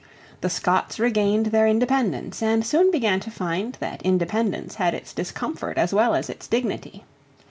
The Scots regained their independence, and soon began to find that independence had its discomfort as well as its dignity.